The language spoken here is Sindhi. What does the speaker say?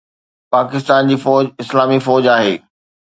پاڪستان جي فوج اسلامي فوج آهي